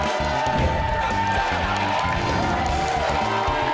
สวัสดีครับ